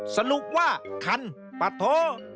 สรุปว่าคันปะโท